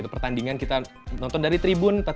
pertandingan kita nonton dari tribun